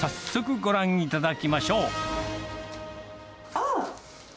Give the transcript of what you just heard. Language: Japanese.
あっ！